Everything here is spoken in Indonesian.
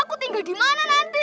aku tinggal dimana nanti